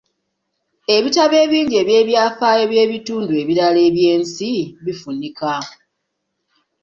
Ebitabo bingi eby'ebyafaayo by'ebitundu ebirala eby'ensi bifunika.